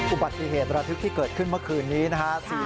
อุบัติเหตุระทึกที่เกิดขึ้นเมื่อคืนนี้นะครับ